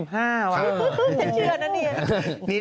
เชื่อนั่นเนี่ย